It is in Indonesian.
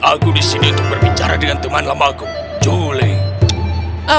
aku disini untuk berbicara dengan teman lamaku julie